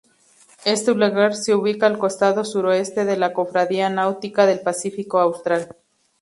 Este lugar se ubica al costado suroeste de la Cofradía Náutica del Pacífico Austral.